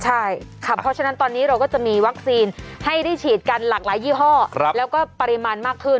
ใช่ค่ะเพราะฉะนั้นตอนนี้เราก็จะมีวัคซีนให้ได้ฉีดกันหลากหลายยี่ห้อแล้วก็ปริมาณมากขึ้น